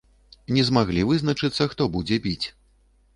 Не змаглі вызначыцца, хто будзе біць.